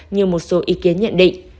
như một số ý kiến nhận định